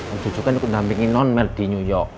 om jojo kan nampingin non mel di new york